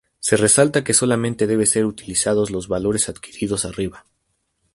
Se resalta que solamente deben ser utilizados los valores adquiridos arriba.